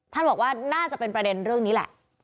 ท่านบอกว่าน่าจะเป็นประเด็นเรื่องนี้แหละ